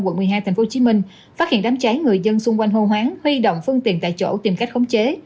quận một mươi hai tp hcm phát hiện đám cháy người dân xung quanh hô hoáng huy động phương tiện tại chỗ tìm cách khống chế